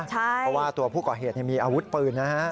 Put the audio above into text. เพราะว่าตัวผู้ก่อเหตุมีอาวุธปืนนะฮะ